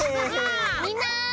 みんな。